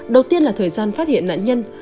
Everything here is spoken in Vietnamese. đầu tiên là thời gian phát hiện nạn nhân